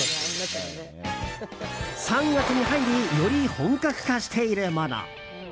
３月に入りより本格化しているもの。